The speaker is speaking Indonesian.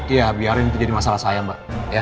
ya biarin itu jadi masalah saya mbak